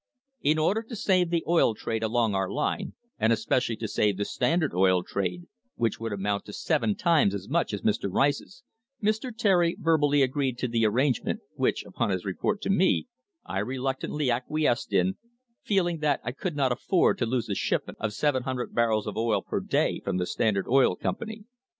"In order to save the oil trade along our line, and especially to save the Standard Oil trade, which would amount to seven times as much as Mr. Rice's, Mr. Terry verbally agreed to the arrangement, which, upon his report to me, I reluctantly acquiesced in, feeling that I could not afford to lose the shipment of 700 barrels of oil per day from the Standard Oil Company.